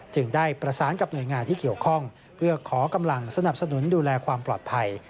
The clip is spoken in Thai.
ได้ประสานกับหน่วยงานที่เกี่ยวข้องเพื่อขอกำลังสนับสนุนดูแลความปลอดภัย